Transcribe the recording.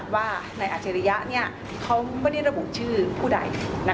ว่าในอัศรียะนี้เขาไม่ได้ระบุชื่อผู้ใด